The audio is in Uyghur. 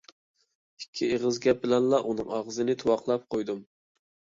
ئىككى ئېغىز گەپ بىلەنلا ئۇنىڭ ئاغزىنى تۇۋاقلاپ قويدۇم.